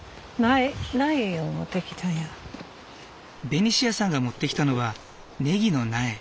ベニシアさんが持ってきたのはネギの苗。